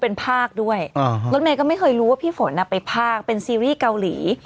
เป็นภาคด้วยฟลุ้นไมล์ก็ไม่รู้พี่ฝนเป็นภาคเป็นซีรีส์เมื่อไหร่